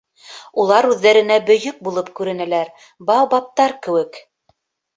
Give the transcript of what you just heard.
Улар үҙҙәренә бөйөк булып күренәләр, баобабтар кеүек.